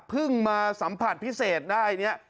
พึ่งมาสัมผัสพิเศษได้